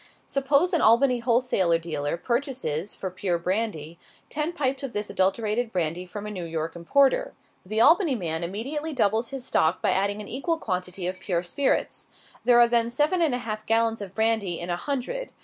Suppose an Albany wholesale dealer purchases, for pure brandy, ten pipes of this adulterated brandy from a New York importer. The Albany man immediately doubles his stock by adding an equal quantity of pure spirits. There are then seven and a half gallons of brandy in a hundred.